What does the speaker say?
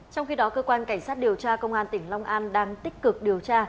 trong khi đó cơ quan cảnh sát điều tra công an tỉnh long an đang tích cực điều tra